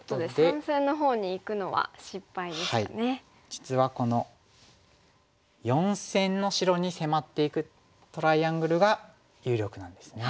実はこの四線の白に迫っていくトライアングルが有力なんですね。